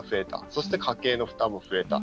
そして、家計の負担も増えた。